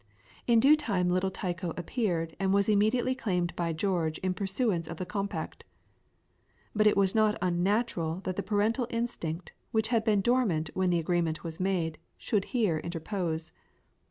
In due time little Tycho appeared, and was immediately claimed by George in pursuance of the compact. But it was not unnatural that the parental instinct, which had been dormant when the agreement was made, should here interpose.